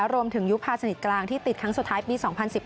รวมถึงยุคพาสนิทกลางที่ติดครั้งสุดท้ายปี๒๐๑๖